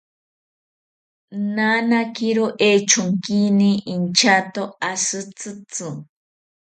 Nanakiro echonkini inchato ashi tzitzi